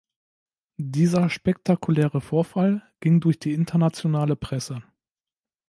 Dieser spektakuläre Vorfall ging durch die internationale Presse.